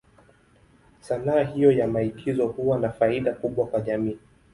Sanaa hiyo ya maigizo huwa na faida kubwa kwa jamii.